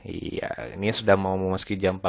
ini sudah mau memuski jam empat belas